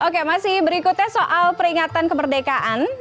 oke masih berikutnya soal peringatan kemerdekaan